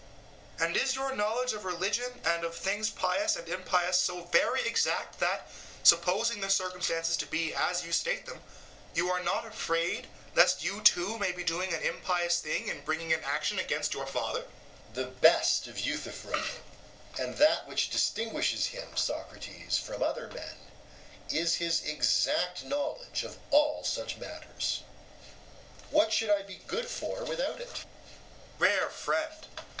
and is your knowledge of religion and of things pious and impious so very exact, that, supposing the circumstances to be as you state them, you are not afraid lest you too may be doing an impious thing in bringing an action against your father? EUTHYPHRO: The best of Euthyphro, and that which distinguishes him, Socrates, from other men, is his exact knowledge of all such matters. What should I be good for without it? SOCRATES: Rare friend!